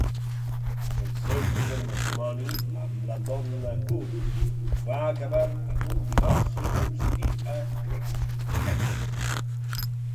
El seu primer matrimoni, amb la Donna Cook, va acabar amb un divorci concedit a Rusk, Texas.